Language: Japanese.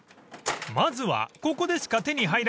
［まずはここでしか手に入らない限定